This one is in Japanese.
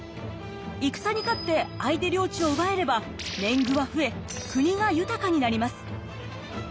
戦に勝って相手領地を奪えれば年貢は増え国が豊かになります。